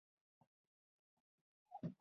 له دې درکه سلایم پرې ډېره ګټه لاسته راوړه.